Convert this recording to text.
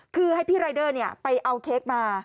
คือให้พี่รายเดอร์ไปเอาเค้กมา